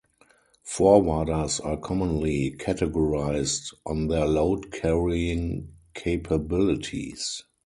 Forwarders are commonly categorised on their load carrying capabilities.